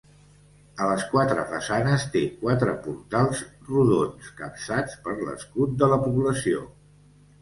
A les quatre façanes té quatre portals rodons capçats per l'escut de la població.